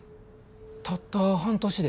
たった半年で？